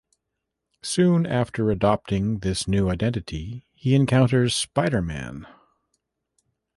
Soon after adopting this new identity, he encounters Spider-Man.